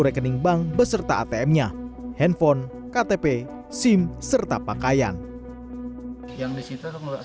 rekening bank beserta atm nya handphone ktp sim serta pakaian yang disitu enggak salah enam puluh dua juta